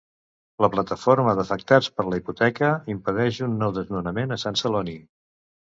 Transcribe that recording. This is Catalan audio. La Plataforma d'Afectats per la Hipoteca impedeix un nou desnonament a Sant Celoni.